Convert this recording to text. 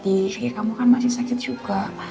di kaki kamu kan masih sakit juga